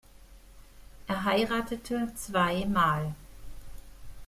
Er heiratete zwei Mal.